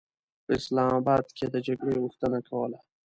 په اسلام اباد کې د جګړې غوښتنه کوله.